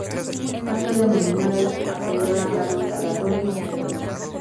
Ha sido nominada y acreedora a varios galardones nacionales.